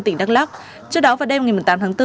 trước đó vào đêm một mươi tám tháng bốn